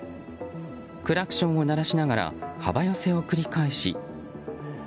クラクションを鳴らしながら幅寄せを繰り返し。